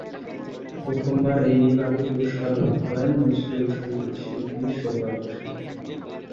প্রথমবার এই বিভাগে পুরস্কার লাভ করেন নজরুল সঙ্গীতশিল্পী সোহরাব হোসেন।